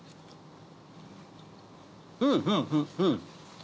うんうん！